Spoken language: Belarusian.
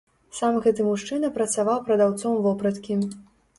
Сам гэты мужчына працаваў прадаўцом вопраткі.